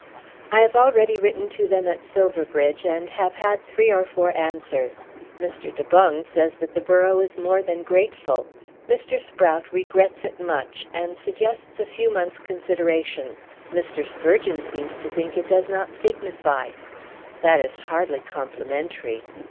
"I have already written to them at Silverbridge and have had three or four answers. Mr. De Boung says that the borough is more than grateful. Mr. Sprout regrets it much, and suggests a few months' consideration. Mr. Sprugeon seems to think it does not signify." "That is hardly complimentary."